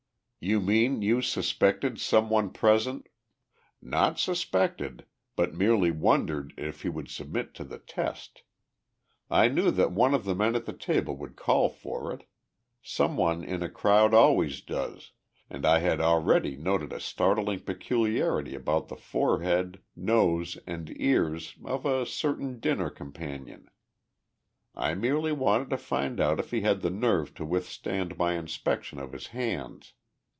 "You mean you suspected some one present " "Not suspected, but merely wondered if he would submit to the test. I knew that one of the men at the table would call for it. Some one in a crowd always does and I had already noted a startling peculiarity about the forehead, nose, and ears of a certain dinner companion. I merely wanted to find out if he had the nerve to withstand my inspection of his hands.